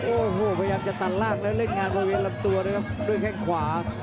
โอ้โหพยายามจะตัดล่างแล้วเล่นงานบริเวณลำตัวนะครับด้วยแข้งขวา